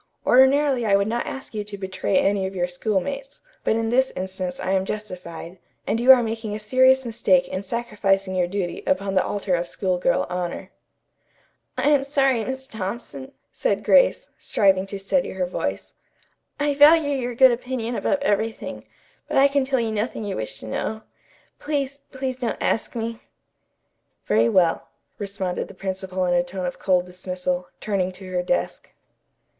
Ordinarily I would not ask you to betray any of your schoolmates, but in this instance I am justified, and you are making a serious mistake in sacrificing your duty upon the altar of school girl honor." "I am sorry, Miss Thompson," said Grace, striving to steady her voice. "I value your good opinion above everything, but I can tell you nothing you wish to know. Please, please don't ask me." "Very well," responded the principal in a tone of cold dismissal, turning to her desk.